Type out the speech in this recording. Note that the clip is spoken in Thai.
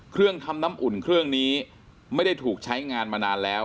เครื่องทำน้ำอุ่นเครื่องนี้ไม่ได้ถูกใช้งานมานานแล้ว